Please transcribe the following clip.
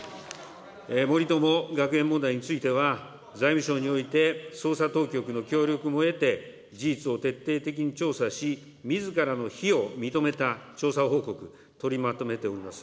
森友学園問題については、財務省において捜索当局の協力も得て、事実を徹底的に調査し、みずからの非を認めた調査報告、取りまとめております。